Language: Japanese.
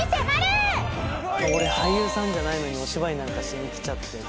俺俳優さんじゃないのにお芝居なんかしに来ちゃって。